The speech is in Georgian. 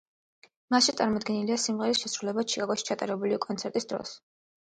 მასში წარმოდგენილია სიმღერის შესრულება ჩიკაგოში ჩატარებული კონცერტის დროს.